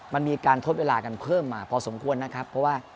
มันมีการทดเวลากันเพิ่มมาพอสมควรนะครับเพราะว่า